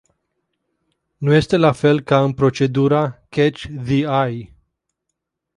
Nu este la fel ca în procedura "catch-the-eye”.